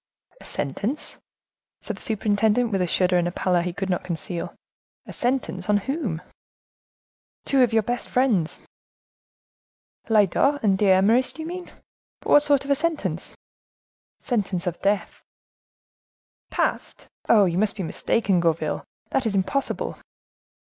"A sentence?" said the superintendent, with a shudder and pallor he could not conceal. "A sentence!—and on whom?" "Two of your best friends." "Lyodot and D'Eymeris, do you mean? But what sort of a sentence?" "Sentence of death." "Passed? Oh! you must be mistaken, Gourville; that is impossible."